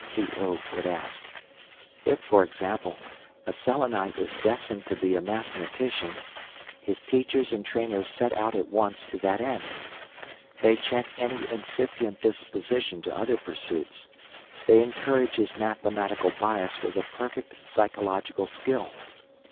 Phi oo would ask. If, for example, a Selenite is destined to be a mathematician, his teachers and trainers set out at once to that end. They check any incipient disposition to other pursuits, they encourage his mathematical bias with a perfect psychological skill.